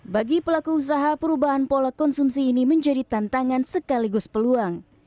bagi pelaku usaha perubahan pola konsumsi ini menjadi tantangan sekaligus peluang